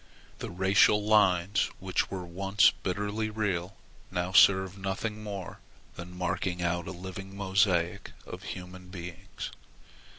The racial lines, which once were bitterly real, now serve nothing more than marking out a living mosaic of human beings.